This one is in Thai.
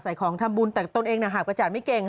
ของทำบุญแต่ตนเองหาบกระจาดไม่เก่ง